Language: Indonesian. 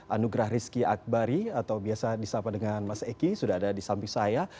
anugrah rizky akbari atau biasa disapa dengan mas eki sudah ada di samping saya